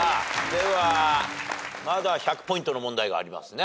ではまだ１００ポイントの問題がありますね。